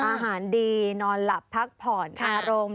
อาหารดีนอนหลับพักผ่อนอารมณ์